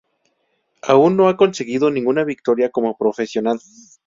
Aún no ha conseguido ninguna victoria como profesional.